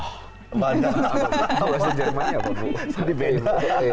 kalau di jerman ya apa bu